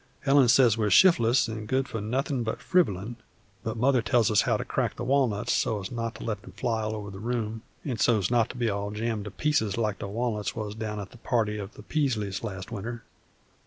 Helen says we're shif'less an' good for nothin' but frivollin'; but Mother tells us how to crack the walnuts so's not to let 'em fly all over the room, an' so's not to be all jammed to pieces like the walnuts was down at the party at the Peasleys' last winter.